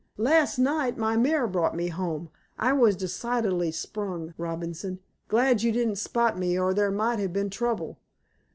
"Last night my mare brought me home. I was decidedly sprung, Robinson. Glad you didn't spot me, or there might have been trouble.